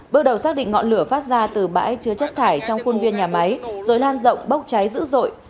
bước đầu xác định ngọn lửa phát ra từ bãi chứa chất thải trong khuôn viên nhà máy rồi lan rộng bốc cháy dữ dội